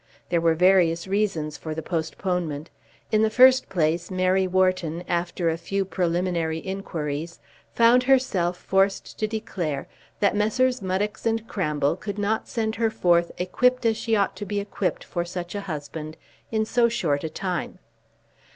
There were various reasons for the postponement. In the first place Mary Wharton, after a few preliminary inquiries, found herself forced to declare that Messrs. Muddocks and Cramble could not send her forth equipped as she ought to be equipped for such a husband in so short a time.